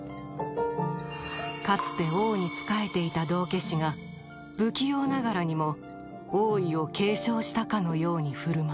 かつて王に仕えていた道化師が不器用ながらにも王位を継承したかのように振る舞う］